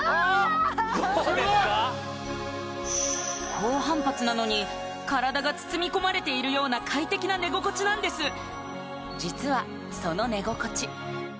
高反発なのに体が包み込まれているような快適な寝心地なんです実はその寝心地